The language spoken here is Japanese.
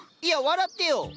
いや笑ってよ！